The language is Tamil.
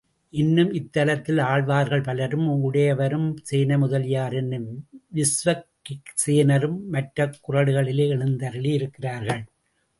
இன்னும் இத்தலத்தில் ஆழ்வார்கள் பலரும், உடையவரும், சேனைமுதலியார் என்னும் விஸ்வக்சேனரும் மற்றக் குறடுகளில் எழுந்தருளியிருக்கிறார்கள்.